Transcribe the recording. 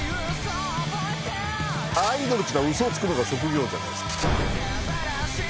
アイドルっちゅうのは嘘をつくのが職業じゃないですか。